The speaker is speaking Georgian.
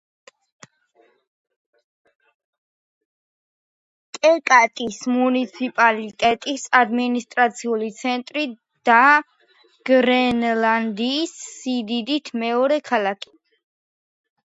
კეკატის მუნიციპალიტეტის ადმინისტრაციული ცენტრი და გრენლანდიის სიდიდით მეორე ქალაქი.